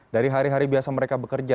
dari hari hari biasa mereka bekerja